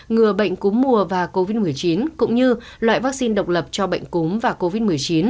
ngừa bệnh cúm mùa và covid một mươi chín cũng như loại vaccine độc lập cho bệnh cúng và covid một mươi chín